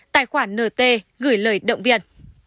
tài khoản nt gửi lời động viên